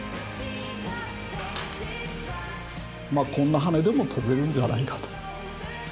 まあこんなハネでも飛べるんじゃないかと。